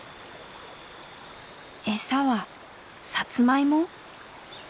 餌はサツマイモ？